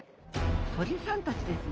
鳥さんたちですね。